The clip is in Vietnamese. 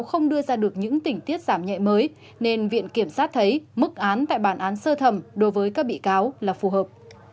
không đưa ra được những tỉnh tiết giảm nhẹ mới nên viện kiểm sát thấy mức án tại bản án sơ thẩm đối với các bị cáo là phù hợp